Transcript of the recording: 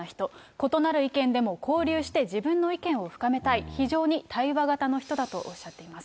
異なる意見でも交流して自分の意見を深めたい、非常に対話型の人だとおっしゃっています。